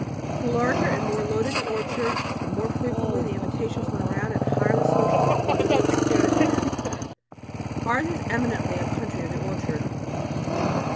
The larger and more loaded the orchard, the more frequently the invitations went round and the higher the social and convivial spirit ran. Ours is eminently a country of the orchard.